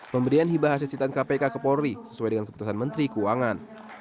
pemberian hibah hasil sitan kpk ke polri sesuai dengan keputusan menteri keuangan